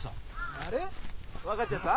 あれ分かっちゃった？